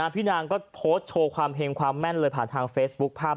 พี่นางก็โพสต์โชว์ความเฮงความแม่นเลยผ่านทางเฟซบุ๊คภาพ